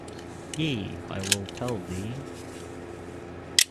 Yea, I will tell thee.